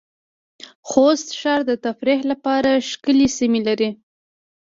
خوست ښار د تفریح لپاره ښکلې سېمې لرې